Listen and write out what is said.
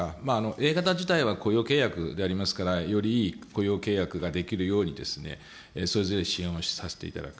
Ａ型自体は雇用契約でありますから、よりいい雇用契約ができるようにですね、それぞれ支援をさせていただく。